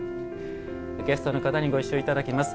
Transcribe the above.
ゲストの方にご一緒いただきます。